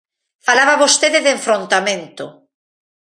Falaba vostede de enfrontamento.